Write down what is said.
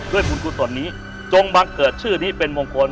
บุญกุศลนี้จงบังเกิดชื่อนี้เป็นมงคล